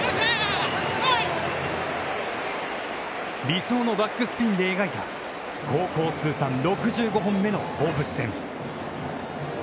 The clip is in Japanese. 理想のバックスピンで描いた高校通算６５本目の放物線。